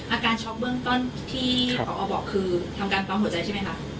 ช็อกเบื้องต้นที่พอบอกคือทำการปั๊มหัวใจใช่ไหมคะ